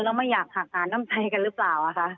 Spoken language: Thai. แล้วไม่อยากหักหาน้ำใจกันหรือเปล่าคะ